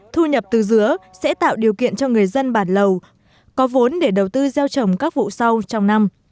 thu nhập từ dứa sẽ tạo điều kiện cho người dân bản lầu có vốn để đầu tư gieo trồng các vụ sau trong năm